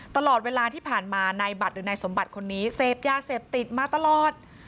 ตลอดเวลาที่ผ่านมานายบัตรหรือนายสมบัติคนนี้เสพยาเสพติดมาตลอด